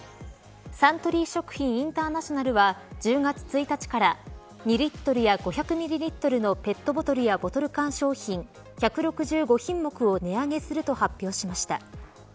サントリー食品インターナショナルは１０月１日から２リットルや５００ミリリットルのペットボトルやボトル缶商品１６５品目を値上げすると発表しました。